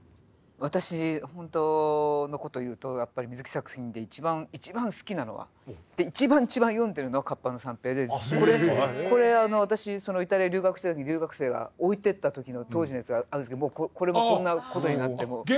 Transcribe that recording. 私本当のこと言うとやっぱり水木作品で一番一番好きなのは一番一番読んでるのは「河童の三平」でこれ私イタリア留学してた時留学生が置いてった時の当時のやつがあるんですけどもうこれもこんなことになってもう。